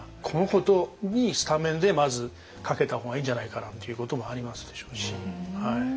この子にスタメンでまずかけた方がいいんじゃないかなんていうこともありますでしょうし。